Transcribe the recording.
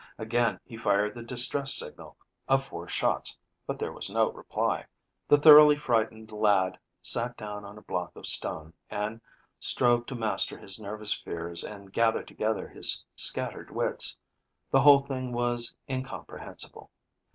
Again he fired the distress signal of four shots, but there was no reply. The thoroughly frightened lad sat down on a block of stone, and strove to master his nervous fears and gather together his scattered wits. The whole thing was incomprehensible.